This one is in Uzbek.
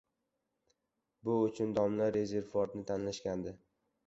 bu uchun domla Rezerfordni tanlashgandi.